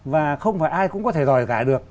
và không phải ai cũng có thể giỏi cả được